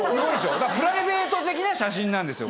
だからプライベート的な写真なんですよ